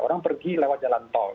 orang pergi lewat jalan tol